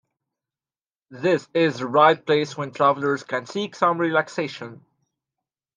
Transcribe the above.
This is the right place when travelers can seek some relaxation.